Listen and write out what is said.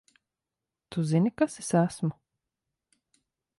Tu zini, kas es esmu?